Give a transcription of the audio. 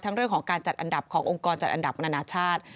เรื่องของการจัดอันดับขององค์กรจัดอันดับนานาชาติ